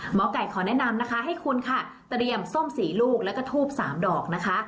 หมอไก่ขอแนะนำนะคะให้คุณค่ะเตรียมส้ม๔ลูกแล้วก็ทูบ๓ดอกนะคะ